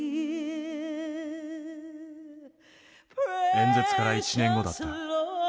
演説から１年後だった。